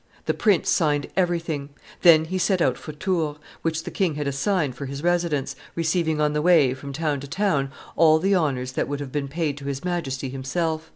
The prince signed everything; then he set out for Tours, which the king had assigned for his residence, receiving on the way, from town to town, all the honors that would have been paid to his Majesty himself.